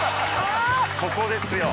ここですよ